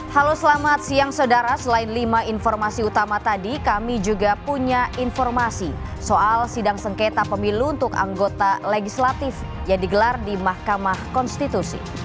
halo selamat siang saudara selain lima informasi utama tadi kami juga punya informasi soal sidang sengketa pemilu untuk anggota legislatif yang digelar di mahkamah konstitusi